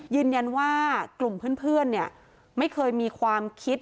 ยืนยันว่ากลุ่มเพื่อนเนี่ยไม่เคยมีความคิด